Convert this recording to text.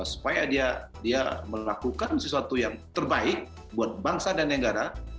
supaya dia melakukan sesuatu yang terbaik buat bangsa dan negara